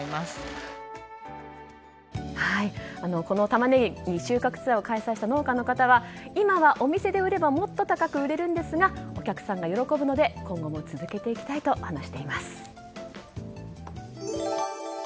たまねぎ収穫ツアーを開催した農家の方は今はお店で売ればもっと高く売れるんですがお客さんが喜ぶので今後も続けていきたいと話しています。